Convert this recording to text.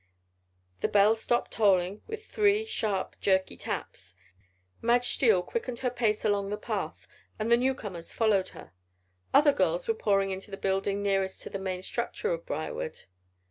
The bell stopped tolling with three, sharp, jerky taps. Madge Steele quickened her pace along the path and the newcomers followed her. Other girls were pouring into the building nearest to the main structure of Briarwood.